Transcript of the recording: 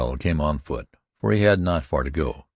came on foot, for he had not far to go.